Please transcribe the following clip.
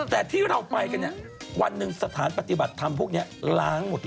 แต่ที่เราไปกันเนี่ยวันหนึ่งสถานปฏิบัติธรรมพวกนี้ล้างหมด